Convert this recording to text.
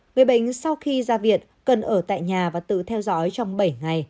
người bệnh sau khi ra viện cần ở tại nhà và tự theo dõi trong bảy ngày